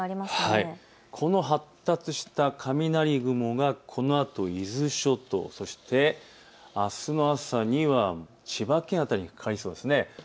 この発達した雷雲がこのあと伊豆諸島、そしてあすの朝には千葉県辺りにかかりそうです。